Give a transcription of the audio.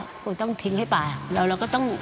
มันต้องทิ้งให้ป่ายเราก็ต้อง